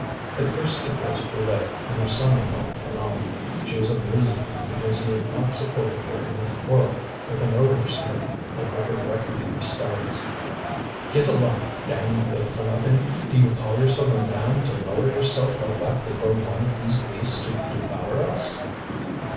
At first it was Brulé and her son in law, Pierron. She was abusing him because he had not supported her in a quarrel with an overseer over her reckoning of stones. "Get along! damned good for nothing! Do you call yourself a man to lower yourself like that before one of these beasts who devour us?"